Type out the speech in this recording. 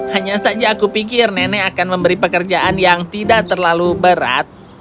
hanya saja aku pikir nenek akan memberi pekerjaan yang tidak terlalu berat